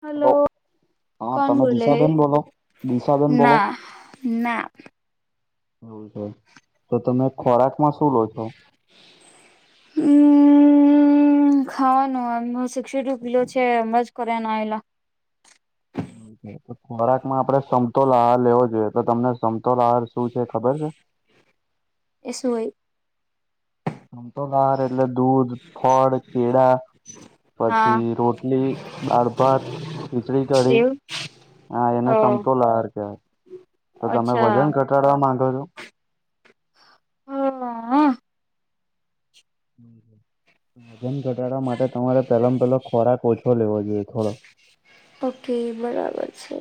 Hello. હા કોણ તમે બોલે દિશાબેન બોલો દિશાબેન બોલો. ના ના એવુ છે તો તમે ખોરાકમાં શું લો છો. હમ્મ. હમ ખાવાનું આ સિક્સ્ટી ટુ કિલો છે અમ જ કરે આવેલા. ખોરાક માં આપડે સમતોલ આહાર લેવો જોઈએ તો તમને સમતોલ આહાર શું છે ખબર છે. એ સુ હોય. સમતોલ આહાર એટલે દૂધ ફળ કેળા. હા પછી રોટલી દાળ ભાત ખીચડી કઢી. એવું હા હ એને સમતોલ આહાર કહેવાય તો તમે અચ્છા વજન ઘટાડવા માંગો છો. હા વજન ઘટાડવા માટે તમારે પેલા પેલો ખોરાક ઓછો લેવો જોઈએ થોડો. ઓકે બરાબર છે.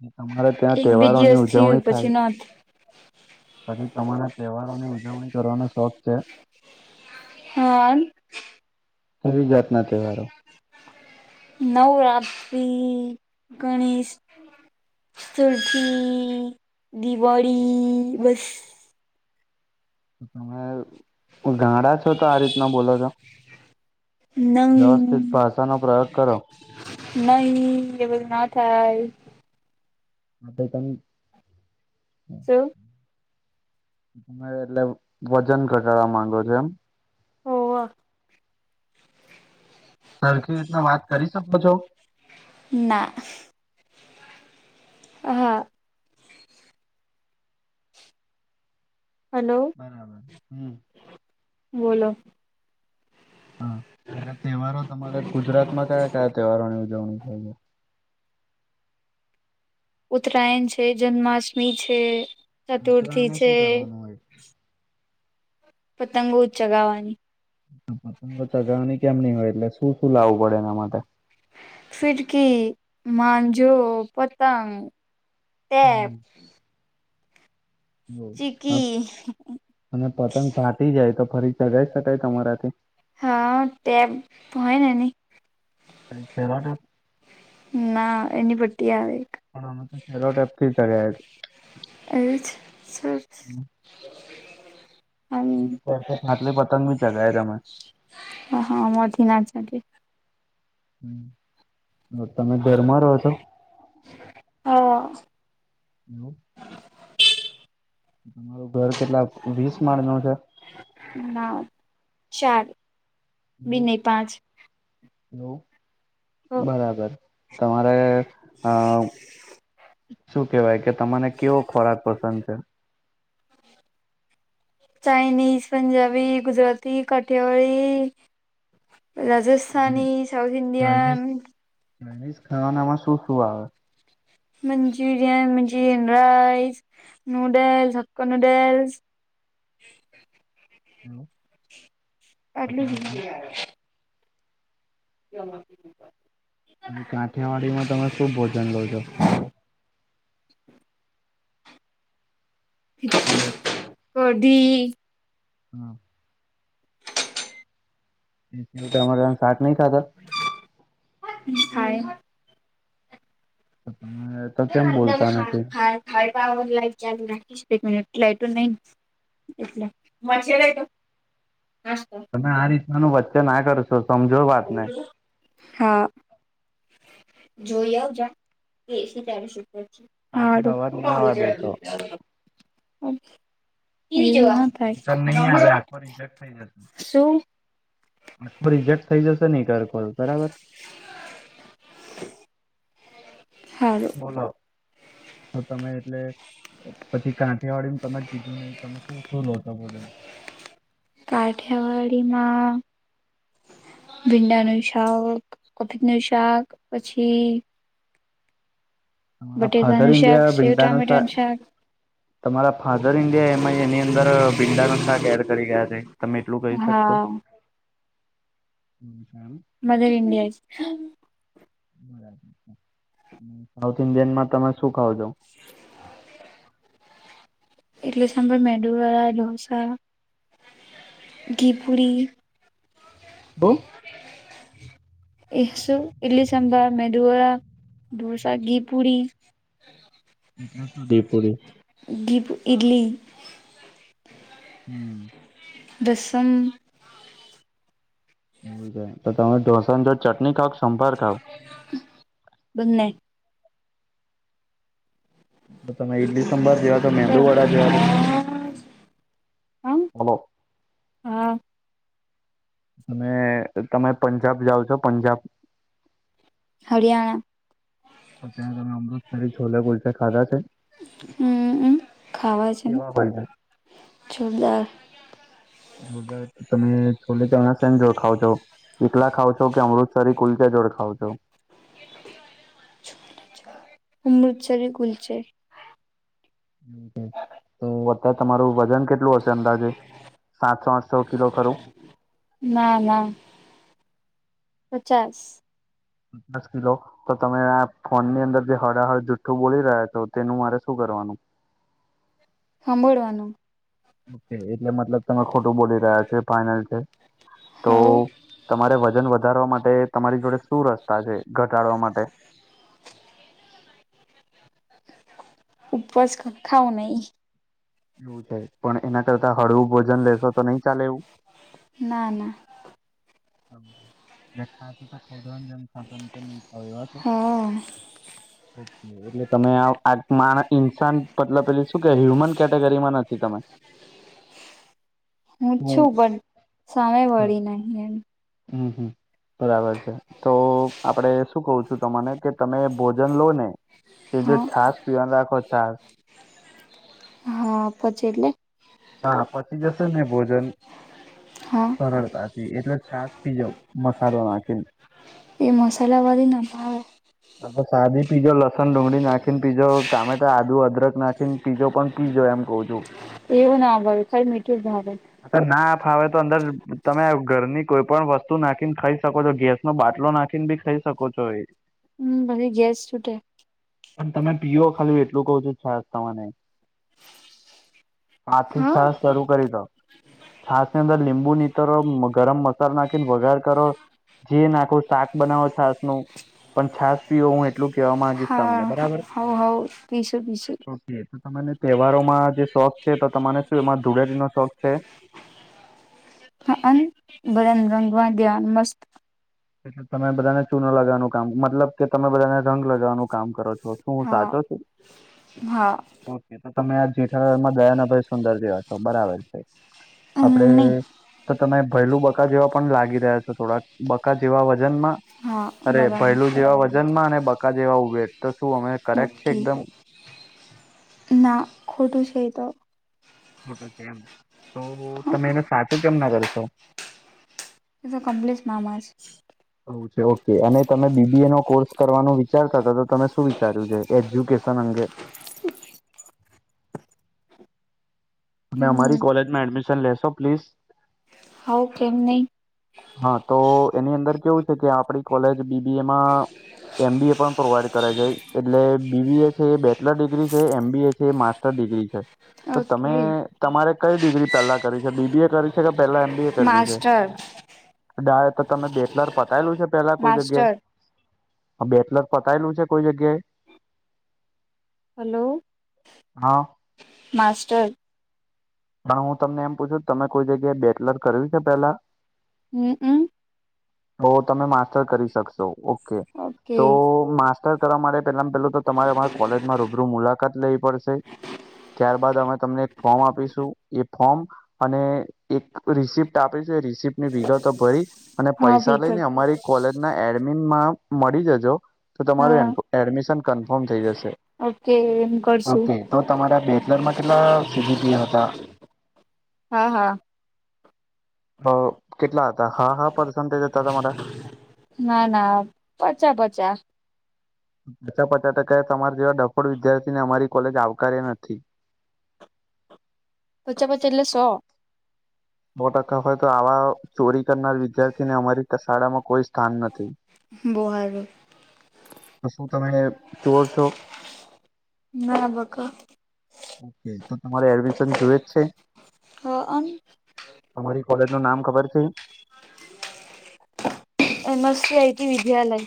તમારે ત્યાં એક બે તહેવારોની દિવસ થયું ઉજવણી પછી થાય ન થ. પછી તમારા તહેવારો ની ઉજવણી કરવાનો શોખ છે. હા. [unintelligible] નવરાત્રી ગણેશ. સુરખી દિવાળી બસ. તમે ગાડા છો તો આ રીતના બોલો છો. વ્યવસ્થિત ભાષાનો પ્રયોગ કરો. નહી એ બધું ના થાય. એ તમે. એવું. હા એટલે વજન ઘટાડવા માંગો છો એમ. હોવ. સરખી રીતના વાત કરી શકો છો. ના. હા. હલો બરાબર હમ. બોલો. હા એટલે તહેવારો તમારે ગુજરાત માં કયા કયા તહેવારો ની ઉજવણી થાય છે. ઉત્તરાયણ છે જન્માષ્ટમી છે ચતુર્થી ઉત્તરાયણમાં છે. શું કરવાનું હોય? પતંગો ચગાવવાની. પતંગ તો ચગાવણીની કેમ ની હોય એટલે શું શું લાવવું પડે એના માટે. ફિરકી, માંજો, પતંગ, ટેપ ચીકી અને પતંગ ફાટી જાય તો ફરી ચગાઈ શકાય તમારાથી હા બ હોયને ન? પ છેવા ના એની પટી આવે. પણ અમે તો સેલો ટેપ થી ચ્યા એ સર ત ફાટલે પતંગી ચગ એ મ હ હા મધ નાચ કે હ તમે ઘરમાં રહો છો? હા! હમ તમારું ઘર કેટલા વીસ માળ નુ છે. ના ચાલ હલો હલો બરાબર તમારે આ શું કેવાય કે? તને કેવો ખોરાક પસંદ છે? ચાઇનીઝ, પંજાબી, ગુજરાતી, કઠિયાવાળી-' જુસ્થાની, સાાઉથ ઇન્ડયાન-' મેનીસ ખાવાનામાં શું શું આવે? Manchurian, Manchurian rice, noodles, હક્કો noodles hello અડલી હિ [inaudible] [inaudible] અને કાંઠિયાવાડીમાં તમે શું ભોજન લો છો.? હલો! કઢી હા તમારા અમા શાક નહી ખાતા? નિ સ્ થાય તમે તો કેમ બોલતા નથી.? હર પાાવર લાઈટ ચાલુ રાખીશ એક મિટ લાઇટ નઈ, એટ મચ્છર તો નાસ્ [inaudible] તમે આ રીતનાનું વચ્ચે ના કરશો સમજો વાત ને હા જોઈ આવજ કેસી ત્યારે સુ કર? હા પાછળ અવાજ ના આવવા દેશો થાય નીકર નહીં આવે આખો રિજેક્ટ શું? આખું રિજેક્ટ થઈ જશે નહી કર કોલ બરાબર? હા! બોલો તો તમે એટલે પછી કાંઠિયાવાળડી ને તમે કીધું નહી તમે શું શું લો છો ભોજન? કાઠિયાવાડીમાં? ભીંડાનું શાક કથિતનું શાક પછી? હ બટેકાનું શાક, ફાદરઇન્ડિયા સેવ ભિડાનો ટામેટાનું શાક, તમારા ફાધર ઇન્ડિયા એમાં એની અંદર ભીંડા ન શાક એડ કરી ગયા છે તમે એટલું કહી શકશો? હા હમ સાર [inaudible] મદર ઇન્ડિયા સાઉથ ઇન્ડિયનમાં તમે શું ખાવજો? [inaudible] ઈડલી, સાંભળ મેદુવાડા, ઢોસા, ઘી પૂરી બો? શું ઇડલી સાંભર મેદુવારા દોસા ઘી પુરી- એટલે શુંધીપોડી. ડીપ ઇટલી. હમ દસમ. તો તમે ઠોસા જોળે ચટણી ખાવ કે સંપાર ખાવ? બને. તમે ઈડલી સંભર જેવા છો મેંદુ વડા હા જેવા છો હલો હા તમે તમે પંજાબ જાઓ છો પંજાબ? હરિયાણા. પણ ત્યાં તમે અમૃતસરી છોલા કુલચે ખાધા છે? હમ ખાવા છે કેવા હોય છે? જોરદાર. જોરદ તમે છોલે ચાવના ને જોડે ખાવ છો? એકખલા ખાાવ છો કે અમૃતસર કુલચ જોડ ખાવ છો? અમૃતસરે કુલ્ચે. હમ તો અત્યારે તમારું વજન કેટલું હશે અંદાજે સાતસો આઠસો કિલો ખરું? ના ના પચાસ. પચાસ કિલો. તો તમે આ ફોન ની અંદર જે હળહળ જુઠ્ઠું બોલી રહ્યા છો તેનું મારે શું કરવાનું? સાંભોળવાનું. એટલે મતલબ તમે ખોટું બોલી રહ્યા છો ફઇનલ છે. તો હવ તમારે વજન વધારવા માટે તમારી જોડે શું રસ્તા છે ઘટાડવા માટે? ઉપવાસ ખાવ નહી. એવું છે પણ એના કરતા હળવું ભોજન લેશો તો નહી ચાલે એવું? ના ના. દખાય તો ખનાસન તો નહી એવા છો? હા હું ઓકે એટલે તમે આ મા ઇન્સાન પતલા પેલી શું કે હ્યુમન કેટેગરીમાં નથી તમે. હું છું પણ સામે વળી નહી એમ. હમ હમ બરાબર છે તો આપડે શું કઉ છું તને કે તમે ભોજન લો ને એ જો હા છાસ પીહન રાખો છાસ. હા પચે એટલે? હા પછી જશે ને ભોજન હા સરળતાથી એટલે છાસ પીજાવ મસાલો નાખીને. એ મસાલાવાળી ના ભાવે. હમ. હ સાદી પીજો લસણ ડુંગળી નાખીને પીઝો ટામેટા આદુ અદરક નાખીને પીજો પણ પીજો એમ કઉ છું. એવું નાભાઈ કઈ મીઠું જ ભાવે. અ ના ફાવે તો અંદર તમે ઘરની કોઈ પણ વસ્તુ નાખીને ખાઈ શકો છો ગેસ બાટલો નાખીને બી ખાઈ શકો છો એ. હ ભછી ગેસ છૂટે. પણ તમે પીઓ ખાલી એટલું કવ છો સાહેબ તમાને. આથી હા છ શરૂ કરી દો છાસ ની અંદર લીંબુ નીતરો ગરમ મસાલો નાખીને વગાર કરો. જે નાખો શાક બનાવો છાસ નુ. પણ છાસ પીવ હું એટલું કેહેવા માંગીશ હા તમને બરાબર. હવ હવ પીશું પીશું. ઓકે તો તને તહેવારોમાં જે શોખ છે તો તમારે શું એમાં ધૂળેરીનો શોખ છે. [unintelligible] બધાને રંગવા ગ્યા મસ્ત એટલે તમે બધાને ચૂનો લગવાનું કામ મતલબ કે તમે બધાને રંગ લગાવવાનું કામ કરો છો. તો શું હું હા સાચો છું? હા એ તો તમે આ જેઠાલાલમાં દયાના ભાઈ સુંદર જેવા છો બરાબર છે. આપડે નહી તો તમે ભયલું બકા જેવા પણ લાગી રહ્યા છો થોડાક. [unintelligible] જેવા વજનમાં હા અરે ભયલું બરાબર જેવા વજન વજનમાં અને બકા જેવા ઉભેટ તો શું અમે કરેક્ટ છે ઓકે એકદમ ના ખોટું છે એતો. ખોટો છે એમ તો તમે એને સાચું કેમ ના કરશો એતો કમ્લેશ મામાજ. ઓકે ઓકે અને તમે બીબી એ નો કોર્સ કરવાનું વિચારતા હતા તો તમે શું વિચાર્યું છે એજ્યુકેશન અંગે તમે અમારી હમ કોલેજમાં એડમિશન લેશો પ્લીઝ હવ કેમ નહી હા તો એની અંદર કેવું છે કે આપડી કોલેજ બીબી એમાં એમ બી એ પણ પ્રોવાઈડ કરાય છેાય એટલે બીબી એ છે એ બેચલર ડિગ્રી છે એમબી એ છે માસ્ ટર ડિગ્રી છે તો તમે ઓકે તમારે કઈ ડિગ્રી પહેલા કરી છે બીબીએ કર વી છે કે પેલા એમબી એ કરવી છે માસ્ટર તો તમે બેચલર પતાયેલું છે. પેલા કોઈ માસ્ટર જગ્યાએ બેચલર પતાયેલું છે કોઈ જગ્યાએ હલો. હા. માસ્ટર. પણ હું તમને એમ પૂછું કે તમે કોઈ જગ્યાએ બેચલર કર્યું છે પેલા હમમ તો તમે માસ્ટર કરી શકશો ઓકે ઓકે તો માસ્ટર કરવા માટે પેલા પેલું તો તમારે અમાર કોલેજમાં રૂબરૂ મુલાકાત લેવી પડશે. ત્યારબાદ અમે તમને એક ફોર્મ આપીશું એ ફોર્મ અને એક રિસિપ્ટ આપી છે રિસિપ્ટની વિગતો ભરી અને હા પૈસા વિગત લઈને અમારી કોલેજ ના એડમિનમાં મળી જજો તો હા તમારું એડમિશન કન્ફર્મ થઈ જશે. ઓકે એમ કરશુ. ઓકે તો તમારા બેચલરમાં કેટલા સીજીપી હતા. હા હા. હ કેટલા હતા હા હા પસન્ટેજ હતા તમારા. ના ના પચા પચા પાચા પચા ટકા તમારે જેવા ડફોડ વિદ્યાર્થી ને અમારી કોલેજ આવકાર્ય નથી. પચા પચા એટલે સો સો ટકા હોય તો આવા ચોરી કરનાર વિદ્યાર્થીને અમારી શાળા માં કોઈ સ્થાન નથી. બો હારુ તો શું તમે ચોર છો ના બકા ઓકે તો તમારે એડમિશન જુએ જ છે હ અમ અમારી કોલેજ નું નામ ખબર છે M S C I T વિદ્યાલય.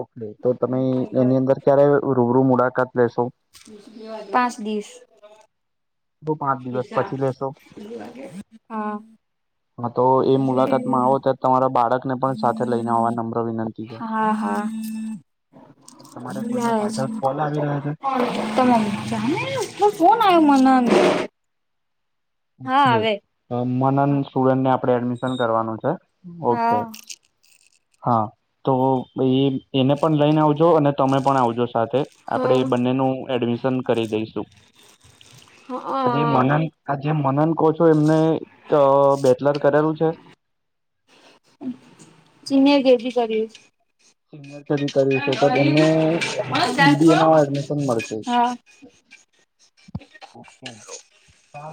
ઓકે તો તમે એની અંદર ક્યારે રૂબરૂ મુલાકાત લેશો પાંચ દિવસે તો પાંચ દિવસ પછી લેશો [unintelligible] લાગે હા હા તો એ મુલાકાતમાં આવો ત્યારે તમારા બાળકને પણ સાથે લઈને આવવા નમ્ર વિનંતી છે. હા હા તમારે કોઈનો ત્યાજ પાછળ કોલ આવી રહ્યો છે તમે જાને તું ફોન આયો મને હા ઓકે આવે મનન હા સ્ટુડન્ટને આપણે એડમિશન કરવાનું છ ઓકે હા તો એને પણ લઈને આવજો અને તમે પણ આવજો સાથે આપણે હા બંનેનું એડમિશન કરી દઈશું. આ જે હા મનન આ જે મનન. કોચું એમને બેચલર કરેલું છે? સિનિયર કેજી કર્યું છે. Senior KG કરીયું? [inaudible] અત્યારતો એમાં એડમિશન મળશે હા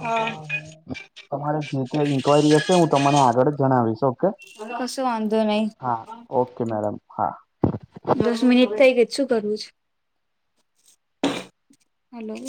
હા તમારે જે ક્યાં ઇન્ક્વાયરી હશે હું તમને આગળ જણાવીશ હો. કે કશો વાંધો નહી હા ઓકે મેડમ હા. દસ મિનિટ થઈ કે શું કરવું છે? હલો!